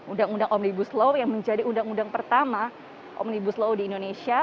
undang undang omnibus law yang menjadi undang undang pertama omnibus law di indonesia